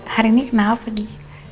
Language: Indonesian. hari ini kenapa din